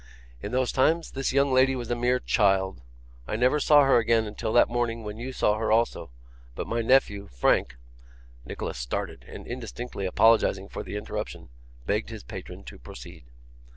In those times this young lady was a mere child. I never saw her again until that morning when you saw her also, but my nephew, Frank ' Nicholas started, and indistinctly apologising for the interruption, begged his patron to proceed.